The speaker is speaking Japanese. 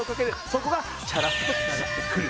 そこがチャラッソと繋がってくる。